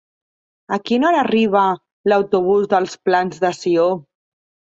A quina hora arriba l'autobús dels Plans de Sió?